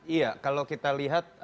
iya kalau kita lihat